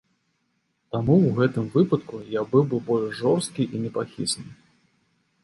Таму ў гэтым выпадку я быў бы больш жорсткі і непахісны.